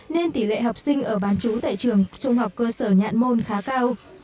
nên tỷ lệ học sinh ở bán chú tại trường trung học cơ sở nhạn môn khá cao